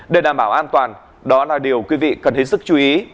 để đảm bảo an toàn đó là điều quý vị cần hết sức chú ý